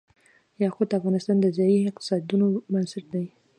یاقوت د افغانستان د ځایي اقتصادونو بنسټ دی.